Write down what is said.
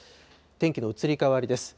天気の移り変わりです。